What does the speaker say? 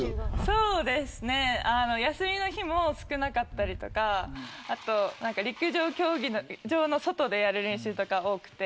そうですね休みの日も少なかったりとか陸上競技場の外でやる練習が多くて。